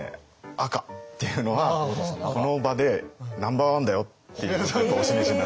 赤っていうのはこの場でナンバーワンだよっていうのをお示しになられてるんですよ。